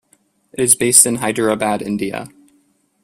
It is based in Hyderabad, India.